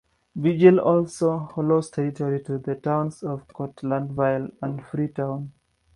Virgil also lost territory to the towns of Cortlandville and Freetown.